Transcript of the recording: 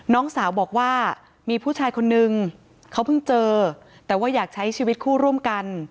น้องสาวบอกว่ามีผู้ชายคนนึงเขาเพิ่งเจอแต่ว่าอยากใช้ชีวิตคู่ร่วมกัน